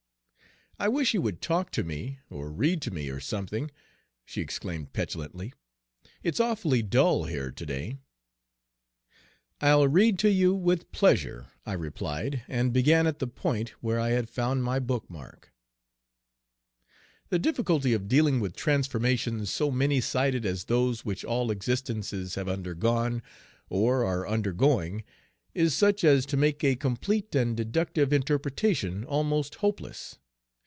"I wish you would talk to me, or read to me or something," she exclaimed petulantly. "It's awfully dull here today." "I'll read to you with pleasure," I replied, and began at the point where I had found my bookmark: " 'The difficulty of dealing with transformations so many sided as those which all existences have undergone, or are undergoing, is such as to make a complete and deductive interpretation almost hopeless.